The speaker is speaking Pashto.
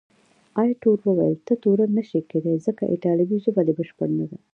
ایټور وویل، ته تورن نه شې کېدای، ځکه ایټالوي ژبه دې بشپړه نه ده.